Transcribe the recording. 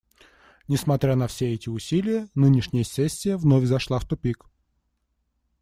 Несмотря на все эти усилия, нынешняя сессия вновь зашла в тупик.